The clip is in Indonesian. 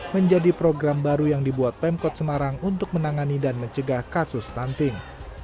menjadi program baru yang dibuat pemkot semarang untuk menangani dan mencegah kasus stunting